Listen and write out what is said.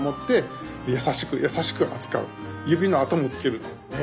指の跡もつけるな。